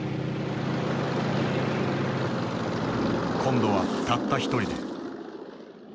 今度はたった一人で。